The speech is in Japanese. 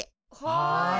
はい。